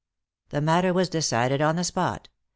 The matter was decided on the spot.